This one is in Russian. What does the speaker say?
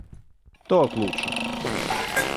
Тот лучше.